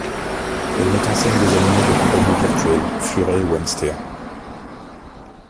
Elle met en scène des animaux de compagnie virtuels, furet ou hamster.